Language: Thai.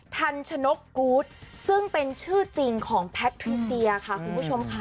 ทันชนกกูธซึ่งเป็นชื่อจริงของแพทริเซียค่ะคุณผู้ชมค่ะ